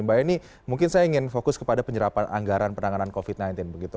mbak eni mungkin saya ingin fokus kepada penyerapan anggaran penanganan covid sembilan belas begitu